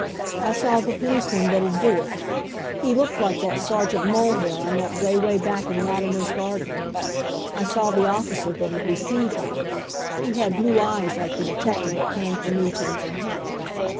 I saw the policeman that'd do it; he looked like that Sergeant Mulhill I met 'way, 'way back in Latimer's garden. I saw the officer that'd receive me; he had blue eyes like the detective that came for me to the Manhattan.